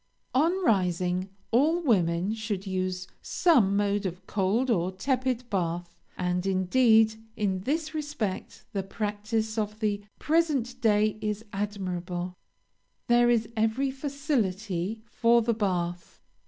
On rising, all women should use some mode of cold or tepid bath; and, indeed, in this respect the practice of the present day is admirable; there is every facility for the bath.